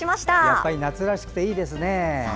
やっぱり夏らしくていいですね。